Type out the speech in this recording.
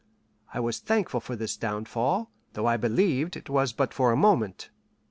I was thankful for his downfall, though I believed it was but for a moment.